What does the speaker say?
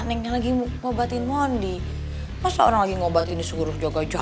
neng abah neng lagi mau obatin mondi masa orang ngobatin disuruh jaga jarak